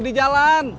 sampai jumpa lagi